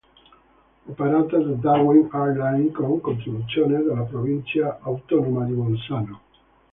Operata da Darwin Airline con contribuzione della Provincia Autonoma di Bolzano.